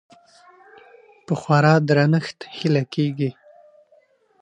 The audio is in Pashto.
په خورا درنښت هيله کيږي